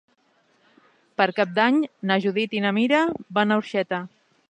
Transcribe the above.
Per Cap d'Any na Judit i na Mira van a Orxeta.